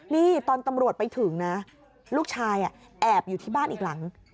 นี่ตอนตำรวจไปถึงนะลูกชายแอบอยู่ที่บ้านอีกหลัง